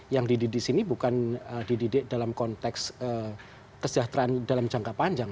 yang di sini bukan dididik dalam konteks kesejahteraan dalam jangka panjang